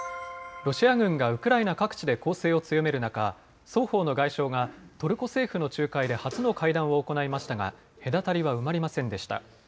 ロシア軍がウクライナ各地で攻勢を強める中、双方の外相が、トルコ政府の仲介で初の会談を行いましたが、隔たりは埋まりませんでした。